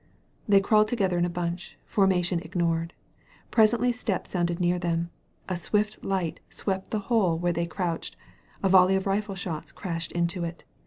They crawled together in a bunch, formation ignored. Presently steps sounded near them. A swift light swept the hole where they crouched, a volley of rifle shots crashed into it.